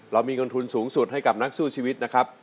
เรามีเงินทุนสูงสุดให้กับนักสู้ชีวิตนะครับ